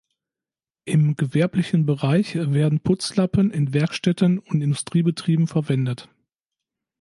Im gewerblichen Bereich werden Putzlappen in Werkstätten und Industriebetrieben verwendet.